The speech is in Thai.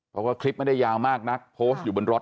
เพราะว่าคลิปไม่ได้ยาวมากนักโพสต์อยู่บนรถ